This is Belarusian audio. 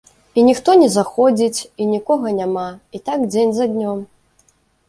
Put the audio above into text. І ніхто не заходзіць, і нікога няма, і так дзень за днём.